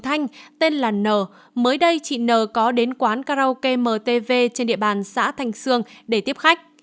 thành tên là n mới đây chị n có đến quán karaoke mtv trên địa bàn xã thanh sương để tiếp khách